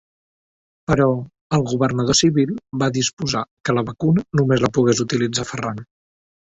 Però, el governador civil va disposar que la vacuna només la pogués utilitzar Ferran.